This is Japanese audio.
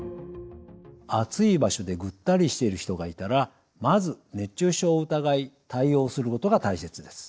暑い場所でぐったりしている人がいたらまず熱中症を疑い対応することが大切です。